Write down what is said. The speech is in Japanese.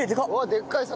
でっかい魚。